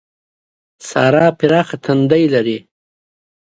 سارا پراخه ټنډه لري.